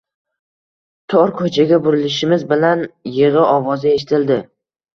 Tor ko‘chaga burilishimiz bilan yig‘i ovozi eshitildi.